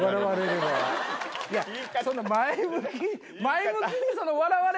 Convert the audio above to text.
そんな前向きに。